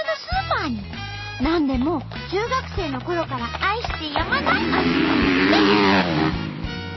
なんでも中学生のころから愛してやまない味なんだって！